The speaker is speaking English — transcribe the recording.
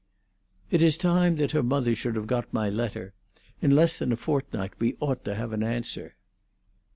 "It is time that her mother should have got my letter. In less than a fortnight we ought to have an answer."